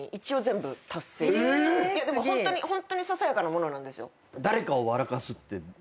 でもホントにホントにささやかなものなんです。